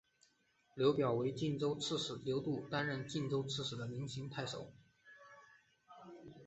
刘表为荆州刺史时刘度担任荆州的零陵太守。